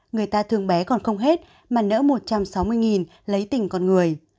người ta thường bé còn không hết mà nỡ một trăm sáu mươi lấy tình con người